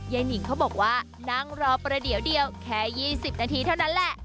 หนิงเขาบอกว่านั่งรอประเดี๋ยวเดียวแค่๒๐นาทีเท่านั้นแหละ